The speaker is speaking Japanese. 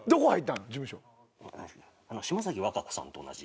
島崎和歌子さんと同じ。